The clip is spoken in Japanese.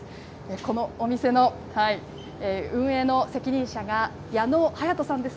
このお店の運営の責任者が、矢野勇人さんです。